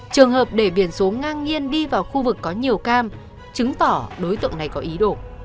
trường hợp để biển số ngang nhiên đi vào khu vực có nhiều cam chứng tỏ đối tượng này có ý đồ